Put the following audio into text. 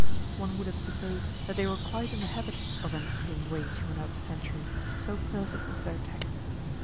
One would have supposed that they were quite in the habit of entertaining waifs from another century, so perfect was their tact.